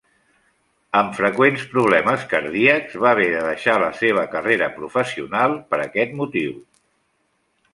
Amb freqüents problemes cardíacs, va haver de deixar la seva carrera professional per aquest motiu.